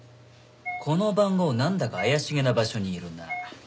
この番号なんだか怪しげな場所にいるな。